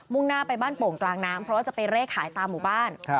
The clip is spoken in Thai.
่งหน้าไปบ้านโป่งกลางน้ำเพราะว่าจะไปเร่ขายตามหมู่บ้าน